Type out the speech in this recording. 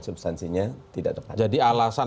substansinya tidak tepat jadi alasan